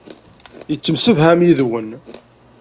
Yettemsefham yid-wen.